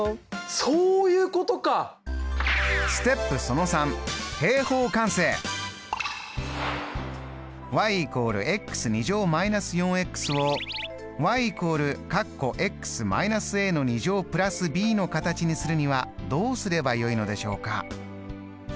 そういうことか！の形にするにはどうすればよいのでしょうか？